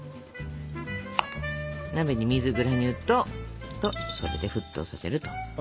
鍋に水グラニュー糖とそれで沸騰させると。